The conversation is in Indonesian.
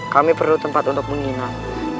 kami perlu tempat untuk menginap